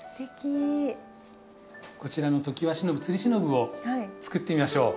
こちらのトキワシノブつりしのぶを作ってみましょう。